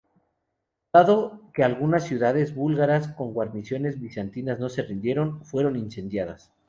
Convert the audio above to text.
Dado que algunas ciudades búlgaras con guarniciones bizantinas no se rindieron, fueron incendiadas.